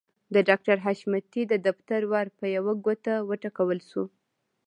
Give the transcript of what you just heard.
د ډاکټر حشمتي د دفتر ور په يوه ګوته وټکول شو.